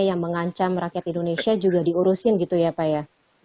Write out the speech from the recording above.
yang mengancam rakyat indonesia juga diurusin gitu ya pak ya